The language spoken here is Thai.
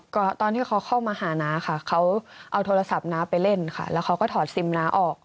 ก็ตอนที่เขาเข้ามาหาน้าค่ะเขาเอาโทรศัพท์น้าไปเล่นค่ะแล้วเขาก็ถอดซิมน้าออก